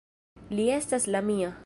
Li estas la mia!